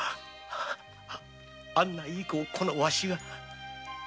あんないい子をこのおれが。